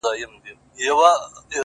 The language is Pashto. د ژوندون ساه د ژوند وږمه ماته كړه ـ